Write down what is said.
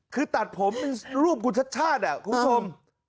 คือตัดผมรูปคุณชาติคุณสม